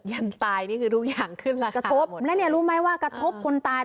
หรือไม่ว่ากระทบคนตาย